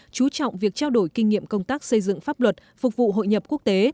chú trọng việc trao đổi kinh nghiệm công tác xây dựng pháp luật phục vụ hội nhập quốc tế